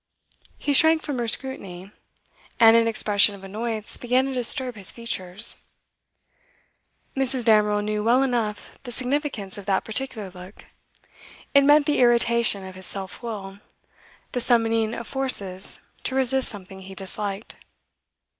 He shrank from her scrutiny, and an expression of annoyance began to disturb his features. Mrs. Damerel knew well enough the significance of that particular look; it meant the irritation of his self will, the summoning of forces to resist something he disliked.